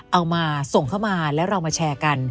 เอามาส่งเข้ามาแล้วเรามาแชร์กัน